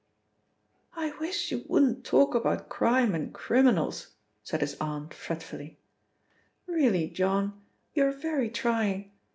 "I wish you wouldn't talk about crime and criminals," said his aunt fretfully; "really, John, you are very trying.